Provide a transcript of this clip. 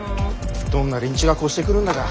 どんな連中が越してくるんだか。